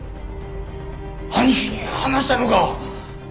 兄貴に話したのか！？